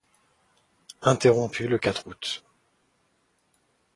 Interrompu le quatre août.